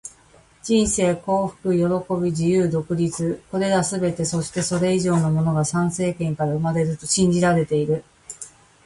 人生、幸福、喜び、自由、独立――これらすべて、そしてそれ以上のものが参政権から生まれると信じられている。